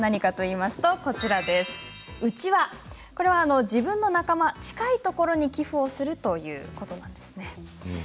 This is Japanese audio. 「う」は自分の仲間、近いところに寄付をするということです。